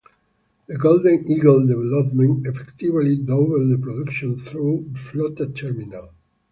The Golden Eagle development effectively doubled the production through Flotta terminal.